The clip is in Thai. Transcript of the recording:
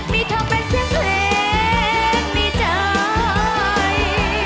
มีเธอเป็นเสียงเพลงในใจ